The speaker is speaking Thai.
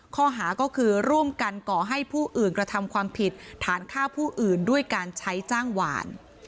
ข้อหาก็คือร่วมกันก่อให้ผู้อื่นกระทำความผิดฐานฆ่าผู้อื่นด้วยการใช้จ้างหวาน